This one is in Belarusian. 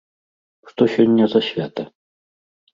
Што сёння за свята?